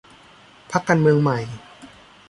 พรรคการเมืองใหม่